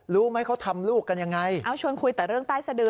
รู้ไหมเขาทำลูกกันยังไงเอ้าชวนคุยแต่เรื่องใต้สดือ